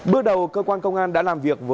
bước đầu cơ quan công an đã làm việc